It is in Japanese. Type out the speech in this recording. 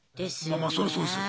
まあまあそりゃそうですよ。